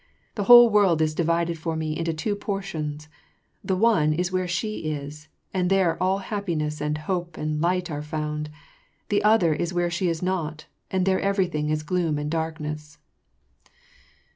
The whole world is divided for me into two portions : the one is where she is, and there all happiness and hope and light are found ; the other is where she is not, and there everything is gloom and darkness."